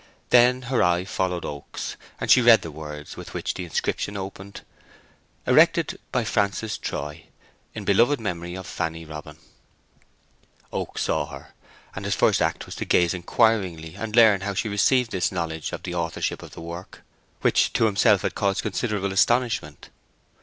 Then her eye followed Oak's, and she read the words with which the inscription opened:— Erected by Francis Troy In Beloved Memory of Fanny Robin Oak saw her, and his first act was to gaze inquiringly and learn how she received this knowledge of the authorship of the work, which to himself had caused considerable astonishment.